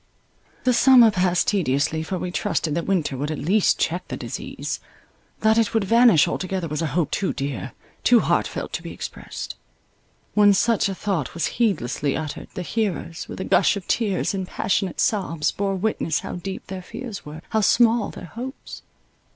The summer passed tediously, for we trusted that winter would at least check the disease. That it would vanish altogether was an hope too dear— too heartfelt, to be expressed. When such a thought was heedlessly uttered, the hearers, with a gush of tears and passionate sobs, bore witness how deep their fears were, how small their hopes.